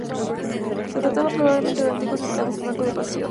Se trataba probablemente de antiguos empleados del banco de Pasión.